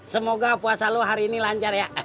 semoga puasa lo hari ini lancar ya